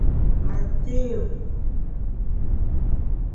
Ma té wu !